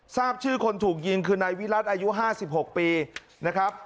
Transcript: ทราบชื่อคนถูกยิงคือไนวิรัติอายุห้าสิบหกปีนะครับ